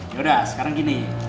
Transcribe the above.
yaudah sekarang gini